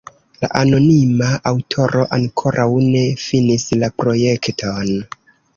La anonima aŭtoro ankoraŭ ne finis la projekton.